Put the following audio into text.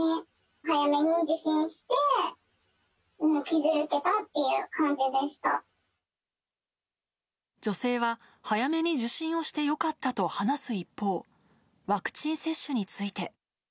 早めに受診して、女性は、早めに受診をしてよかったと話す一方、ワクチン接種について。